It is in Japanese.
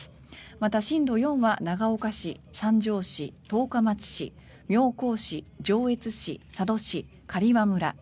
また震度４は長岡市、三条市、十日町市妙高市、上越市佐渡市、刈羽村